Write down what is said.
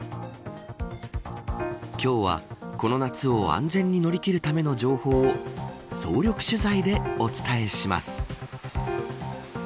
今日は、この夏を安全に乗り切るための情報を総力取材でお伝えします。